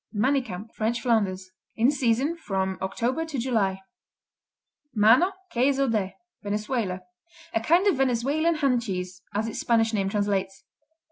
Manicamp French Flanders In season from October to July. Mano, Queso de Venezuela A kind of Venezuelan hand cheese, as its Spanish name translates.